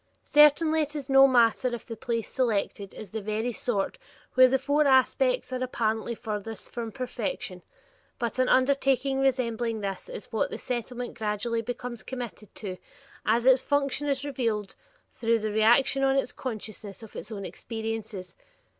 Certainly it is no easy matter if the place selected is of the very sort where the four aspects are apparently furthest from perfection, but an undertaking resembling this is what the Settlement gradually becomes committed to, as its function is revealed through the reaction on its consciousness of its own experiences.